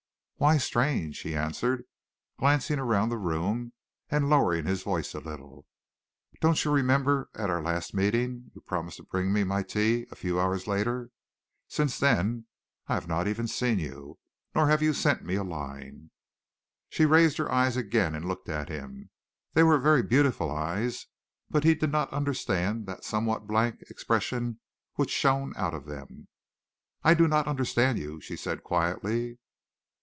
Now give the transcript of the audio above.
"Why strange?" he answered, glancing around the room, and lowering his voice a little. "Don't you remember at our last meeting you promised to bring my tea a few hours later? Since then, I have not even seen you, nor have you sent me a line." She raised her eyes again and looked at him. They were very beautiful eyes, but he did not understand the somewhat blank expression which shone out of them. "I do not understand you," she said quietly.